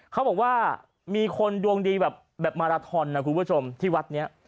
เขาบอกว่ามีคนดวงดีแบบมาราทอนนะคุณผู้ชมที่วัดนี้